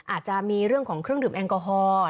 อาจจะมีเรื่องของเครื่องดื่มแอลกอฮอล์